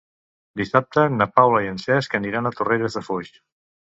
Dissabte na Paula i en Cesc aniran a Torrelles de Foix.